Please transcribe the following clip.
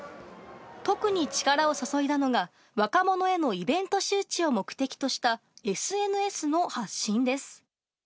特に力を注いだのが、若者へのイベント周知を目的とした、ＳＮＳの発信です。